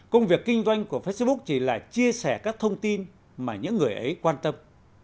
công việc kinh doanh của facebook chỉ là chia sẻ các thông tin mà những người ấy quan tâm